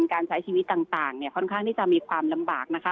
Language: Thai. การใช้ชีวิตต่างค่อนข้างที่จะมีความลำบากนะคะ